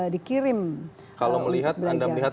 dikirim kalau melihat anda melihat